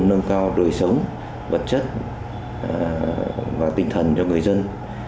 nâng cao đời sống vật chất và tinh thần cho người dân